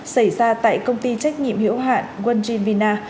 xảy ra tại công ty trách nhiệm hiệu hạn wonjin vina